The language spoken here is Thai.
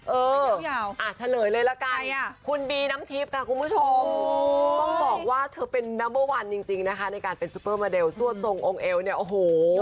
ยาวอ่ะเฉลยเลยละกันคุณบีน้ำทิพย์ค่ะคุณผู้ชมต้องบอกว่าเธอเป็นนัมเบอร์วันจริงนะคะในการเป็นซุปเปอร์มาเดลซั่วทรงองค์เอวเนี่ยโอ้โห